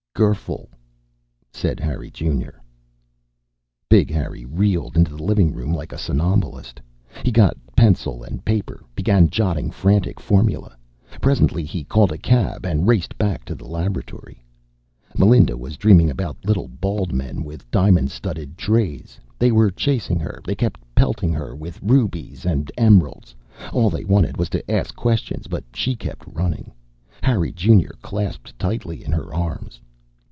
"Gurfle," said Harry Junior. Big Harry reeled into the living room like a somnambulist. He got pencil and paper, began jotting frantic formulae. Presently he called a cab and raced back to the laboratory. Melinda was dreaming about little bald men with diamond studded trays. They were chasing her, they kept pelting her with rubies and emeralds, all they wanted was to ask questions, but she kept running, Harry Junior clasped tightly in her arms.